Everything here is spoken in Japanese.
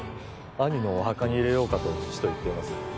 兄のお墓に入れようかと父と言っています